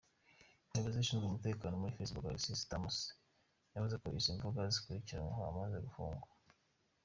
Umuyobozi Ushinzwe Umutekano kuri Facebook, Alex Stamos, yavuze ko izi mbuga zikurikiranwe zamaze gufungwa.